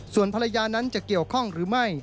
ส่วนภรรยานั้นจะเกี่ยวข้องหรือไม่